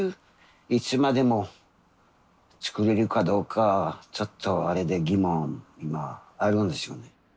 いつまでもつくれるかどうかちょっとあれで疑問今あるんですよね。